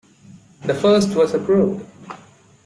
The first was approved.